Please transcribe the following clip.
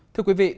thưa quý vị